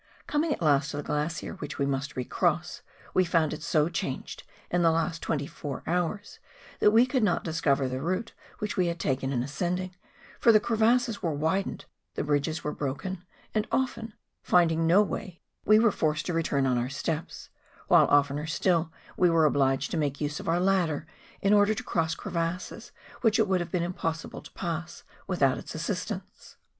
Coming at last to the glacier which we must recross, we found it so changed in the last four and twenty hours, that we could not discover the route which we had taken in ascending; for the crevasses were widened, the bridges were broken, and often, finding no way we were forced to return on our steps ; while oftener still we were obliofed to make use of our ladder in order to cross crevasses which it would have been impossible to pass without its assistance.